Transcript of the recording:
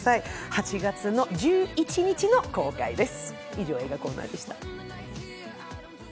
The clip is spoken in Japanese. ８月１１日の公開です。